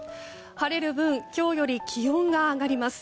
晴れる分今日より気温が上がります。